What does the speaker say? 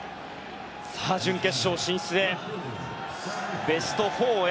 準決勝進出へ、ベスト４へ。